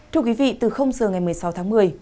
thưa quý vị từ giờ ngày một mươi sáu tháng một mươi